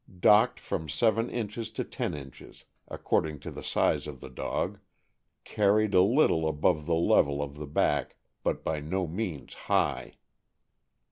— Docked from seven inches to ten inches, accord ing to the size of the dog; carried a little above the level of the back, but by no means high.